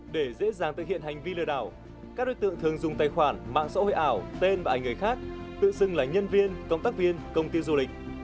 để dễ dàng thực hiện hành vi lừa đảo các đối tượng thường dùng tài khoản mạng xã hội ảo tên và ảnh người khác tự xưng là nhân viên công tác viên công ty du lịch